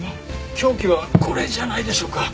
凶器はこれじゃないでしょうか？